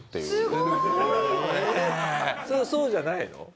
そうじゃないの？